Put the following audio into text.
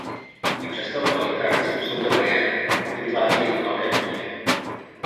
I přesto tato interakce způsobuje bariéry a ty vytvářejí velké potíže.